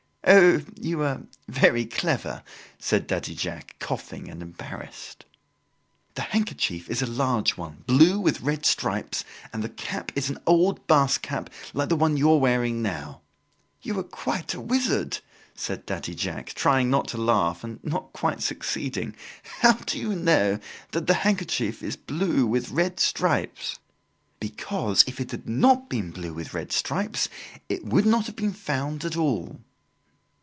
"Oh, you are very clever," said Daddy Jacques, coughing and embarrassed. "The handkerchief is a large one, blue with red stripes and the cap is an old Basque cap, like the one you are wearing now." "You are a wizard!" said Daddy Jacques, trying to laugh and not quite succeeding. "How do you know that the handkerchief is blue with red stripes?" "Because, if it had not been blue with red stripes, it would not have been found at all."